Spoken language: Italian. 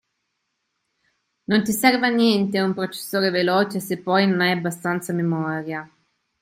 Non ti serve a niente un processore veloce se poi non hai abbastanza memoria.